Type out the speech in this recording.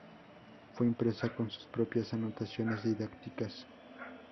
Fue impresa con sus propias anotaciones didácticas.